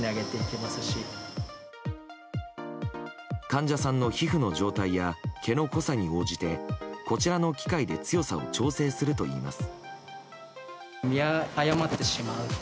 患者さんの皮膚の状態や毛の濃さに応じてこちらの機械で強さを調整するといいます。